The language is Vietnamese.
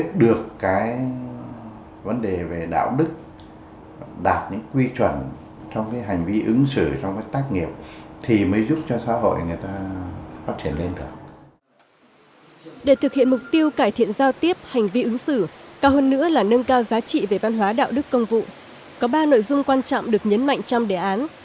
ba nội dung quan trọng được nhấn mạnh trong đề án